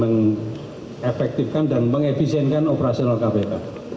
jadi mengefektifkan dan mengefisienkan operasional kpk